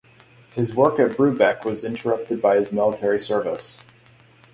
His work at Brubeck was interrupted by his military service.